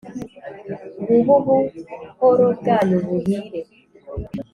ngubu ubuhoro bwanyu buhire